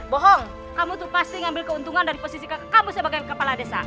bohong kamu tuh pasti ngambil keuntungan dari posisi kamu sebagai kepala desa